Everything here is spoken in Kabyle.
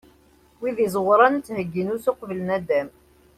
Wid iẓewren ttheggin usu uqbel naddam.